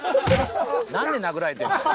何で殴られてんだよ